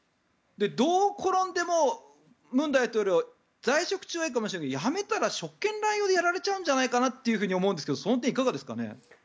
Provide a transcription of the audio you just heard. どう転んでも文大統領は在職中はいいかもしれないけど辞めたら職権乱用でやられちゃうんじゃないかなと思うんですがその点はいかがですかね？